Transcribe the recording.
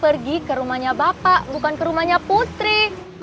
pergi ke rumahnya bapak bukan ke rumahnya putri